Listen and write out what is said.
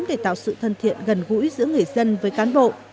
để tạo sự thân thiện gần gũi giữa người dân với cán bộ